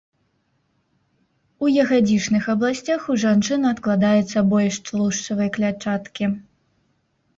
У ягадзічных абласцях ў жанчын адкладаецца больш тлушчавай клятчаткі.